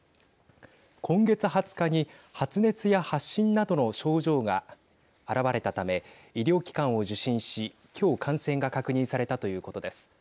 今月２０日に発熱や発疹などの症状が表れたため医療機関を受診しきょう、感染が確認されたということです。